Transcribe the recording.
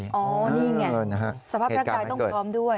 อ๋อนี่ไงสภาพร่างกายต้องพร้อมด้วย